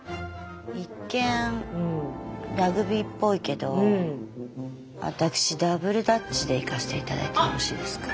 一見ラグビーっぽいけど私ダブルダッチで行かせていただいてもよろしいですか？